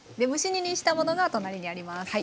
蒸し煮にしたものが隣にあります。